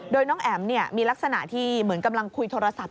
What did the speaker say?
โดยน้องแอ๋มมีลักษณะที่เหมือนกำลังคุยโทรศัพท์